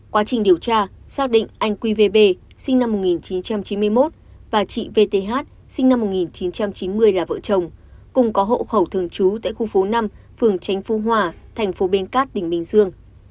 quá trình điều tra xác định anh qvb sinh năm một nghìn chín trăm chín mươi một và chị vth sinh năm một nghìn chín trăm chín mươi là vợ chồng cùng có hộ khẩu thường trú tại khu phố năm phường tránh phú hòa thành phố bến cát tỉnh bình dương